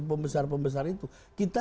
pembesar pembesar itu kita